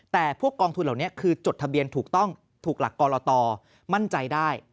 แต่พวกกองทุนเหล่านี้คือจดทะเบียนถูกต้องถูกหลักกรตมั่นใจได้